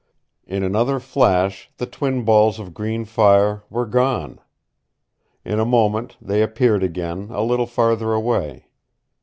In another flash the twin balls of green fire were gone. In a moment they appeared again, a little farther away.